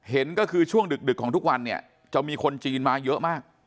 เห็นก็คือช่วงดึกของทุกวันเนี่ยจะมีคนจีนมาเยอะมาก